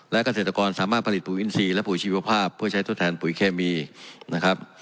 และเกษตรกรสามารถผลิตปุ๋ยอินทรีย์และปุ๋ชีวภาพเพื่อใช้ทดแทนปุ๋ยเคมีนะครับ